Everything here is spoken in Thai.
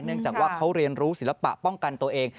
จากว่าเขาเรียนรู้ศิลปะป้องกันตัวเอง